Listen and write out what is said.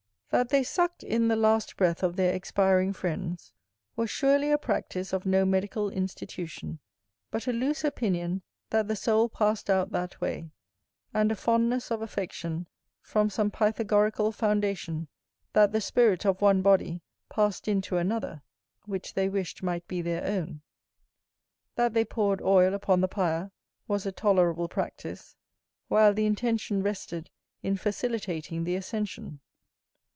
That they sucked in the last breath of their expiring friends, was surely a practice of no medical institution, but a loose opinion that the soul passed out that way, and a fondness of affection, from some Pythagorical foundation, that the spirit of one body passed into another, which they wished might be their own. That they poured oil upon the pyre, was a tolerable practice, while the intention rested in facilitating the ascension.